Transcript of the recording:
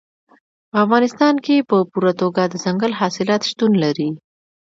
په افغانستان کې په پوره توګه دځنګل حاصلات شتون لري.